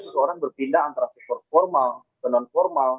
seseorang berpindah antara sektor formal ke non formal